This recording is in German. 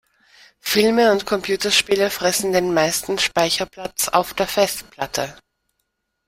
Filme und Computerspiele fressen den meisten Speicherplatz auf der Festplatte.